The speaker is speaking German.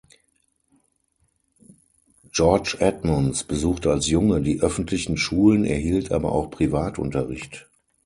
George Edmunds besuchte als Junge die öffentlichen Schulen, erhielt aber auch Privatunterricht.